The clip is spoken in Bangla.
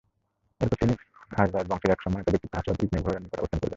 তারপর তিনি খাযরাজ বংশের এক সম্মানিত ব্যক্তিত্ব আসআদ ইবনে যুরারার নিকট অবস্থান করলেন।